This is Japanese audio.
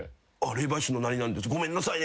「霊媒師の何々です。ごめんなさいね。